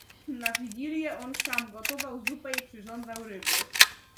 "Na wigilię on sam gotował zupę i przyrządzał ryby."